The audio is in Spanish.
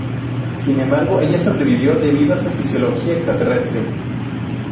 Sin embargo, ella sobrevivió, debido a su fisiología extraterrestre.